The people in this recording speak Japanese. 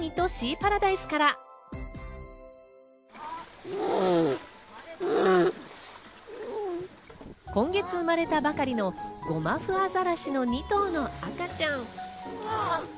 まずは静岡県にある伊豆・三津シーパラダイスから今月生まれたばかりのゴマフアザラシの２頭の赤ちゃん。